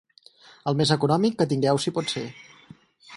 El més econòmic que tingueu si pot ser.